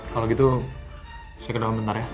kalau gitu saya kedalaman bentar ya